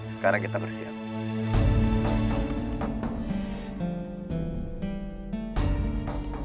sekarang kita bersiap